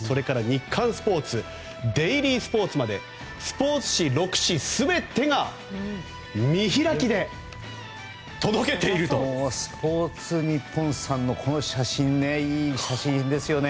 日刊スポーツデイリースポーツまでスポーツ紙６紙全てが見開きでスポーツニッポンさんのこの写真、いい写真ですよね。